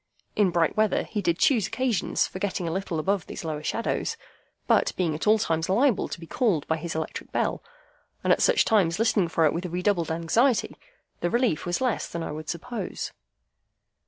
In bright weather, he did choose occasions for getting a little above these lower shadows; but, being at all times liable to be called by his electric bell, and at such times listening for it with redoubled anxiety, the relief was less than I would suppose.